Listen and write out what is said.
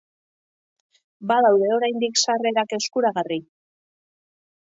Badaude oraindik sarrerak eskuragarri.